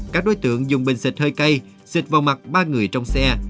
các đối tượng dùng bình xịt hơi cay xịt vào mặt ba người trong xe